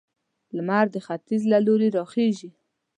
لمر د ختيځ له لوري راخيژي